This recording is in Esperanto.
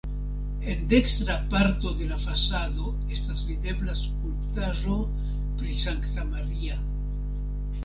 En dekstra parto de la fasado estas videbla skulptaĵo pri Sankta Maria.